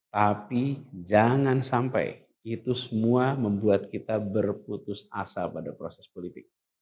tapi jangan sampai itu semua membuat kita berputus asa pada proses politik